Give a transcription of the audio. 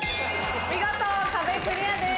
見事壁クリアです。